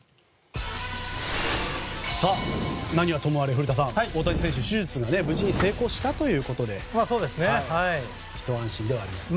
何はともあれ古田さん大谷選手、手術が無事に成功したということでひと安心ではありますね。